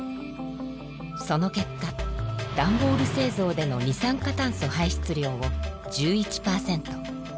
その結果段ボール製造での二酸化炭素排出量を１１％